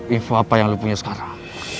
info apa yang lu punya sekarang